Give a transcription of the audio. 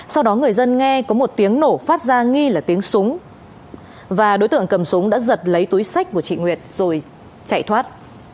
sau đó người dân nghe có một tiếng nổ phát ra nghi là tiếng súng và đối tượng cầm súng đã giật lấy túi sách của chị nguyệt rồi chạy thoát